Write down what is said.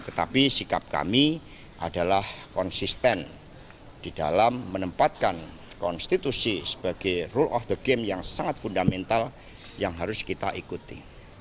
tetapi sikap kami adalah konsisten di dalam menempatkan konstitusi sebagai rule of the game yang sangat fundamental yang harus kita ikuti